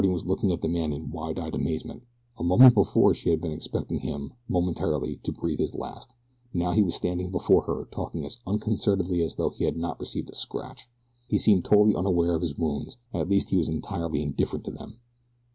Barbara Harding was looking at the man in wide eyed amazement. A moment before she had been expecting him, momentarily, to breathe his last now he was standing before her talking as unconcernedly as though he had not received a scratch he seemed totally unaware of his wounds. At least he was entirely indifferent to them.